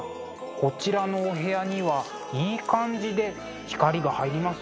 こちらのお部屋にはいい感じで光が入りますね。